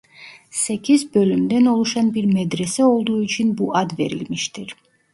Sekiz bölümden oluşan bir medrese olduğu için bu ad verilmiştir.